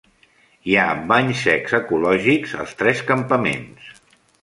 Hi ha banys secs ecològics als tres campaments.